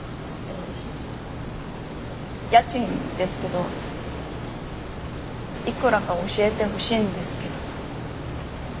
家賃ですけどいくらか教えてほしいんですけど。